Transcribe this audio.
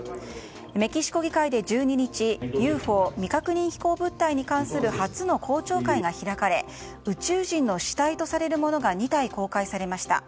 メキシコ議会で１２日ＵＦＯ・未確認飛行物体に関する初の公聴会が開かれ宇宙人の死体とされるものが２体公開されました。